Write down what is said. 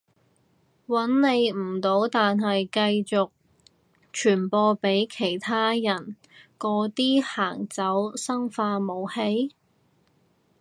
搵你唔到但係繼續傳播畀其他人嗰啲行走生化武器？